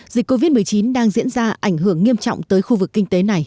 dịch covid một mươi chín đang diễn ra ảnh hưởng nghiêm trọng tới khu vực kinh tế này